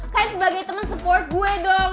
kan sebagai teman support gue dong